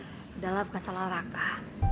sudahlah bukan salah raka